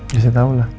biasanya tau lah